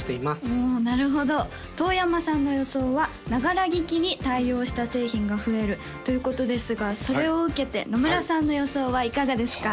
おおなるほど遠山さんの予想は「ながら聴きに対応した製品が増える」ということですがそれを受けて野村さんの予想はいかがですか？